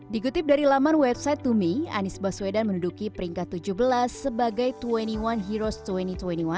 dikutip dari laman website tumi anies baswedan menduduki peringkat tujuh belas sebagai dua puluh satu heroes dua ribu dua puluh satu